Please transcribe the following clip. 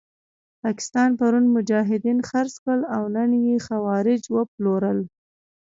پاکستان پرون مجاهدین خرڅ کړل او نن یې خوارج وپلورل.